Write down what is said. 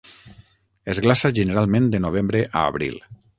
Es glaça generalment de novembre a abril.